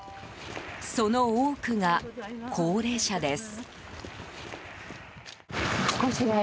その多くが高齢者です。